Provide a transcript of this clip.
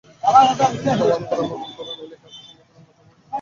তবে অর্থ মন্ত্রণালয়ের কাছ থেকে সমপরিমাণ অর্থ পাওয়ার নিশ্চয়তা এখনো মেলেনি।